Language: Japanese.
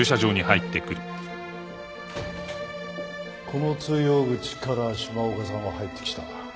この通用口から島岡さんは入ってきた。